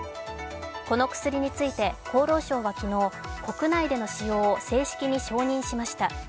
この薬について、厚労省は昨日、国内での使用を正式に承認しました。